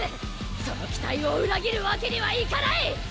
その期待を裏切るわけにはいかない！